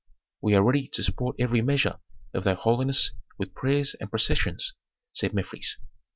"We are ready to support every measure of thy holiness with prayers and processions," said Mefres.